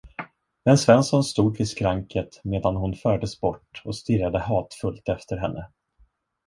Men Svensson stod vid skranket medan hon fördes bort och stirrade hatfullt efter henne.